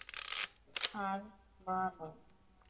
আর মা নয়।